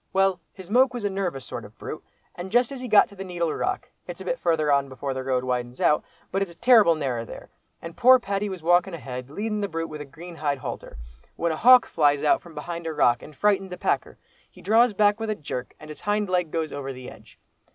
Well, his moke was a nervous sort of brute, and just as he got to the Needle Rock, it's a bit farther on before the road widens out, but it's terrible narrer there, and poor Paddy was walking ahead leadin' the brute with a green hide halter, when a hawk flies out from behind a rock and frightened the packer. He draws back with a jerk, and his hind leg goes over the edge.